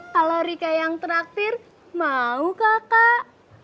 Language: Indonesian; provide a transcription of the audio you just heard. kalau rika yang terakhir mau kakak